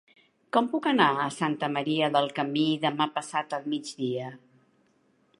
Com puc anar a Santa Maria del Camí demà passat al migdia?